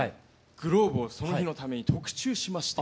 グローブをその日のために特注しまして。